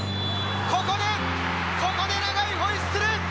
ここで、ここで長いホイッスル。